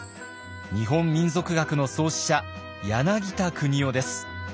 日本民俗学の創始者柳田国男です。